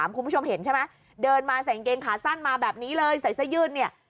คุณผู้ชมเห็นใช่ไหมเดินมาใส่กางเกงขาสั้นมาแบบนี้เลยใส่เสื้อยืดเนี่ย